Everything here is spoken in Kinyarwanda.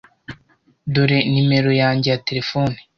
Dore nimero yanjye ya terefone.